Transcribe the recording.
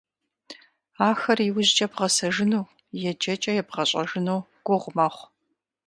Ахэр иужькӀэ бгъэсэжыну, еджэкӀэ ебгъэщӀэжыну гугъу мэхъу.